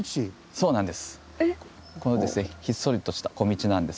そうなんです。